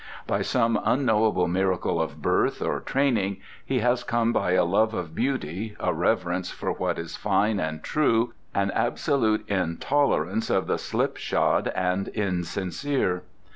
By some unknowable miracle of birth or training he has come by a love of beauty, a reverence for what is fine and true, an absolute intolerance of the slipshod and insincere.